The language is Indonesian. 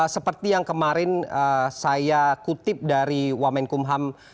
seperti yang kemarin saya kutip dari wamenkumham